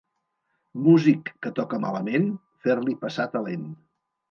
Músic que toca malament, fer-li passar talent.